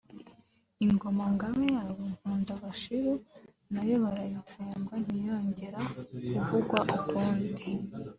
ingoma-ngabe yabo Nkundabashiru nayo barayitsemba ntiyongera kuvugwa ukundi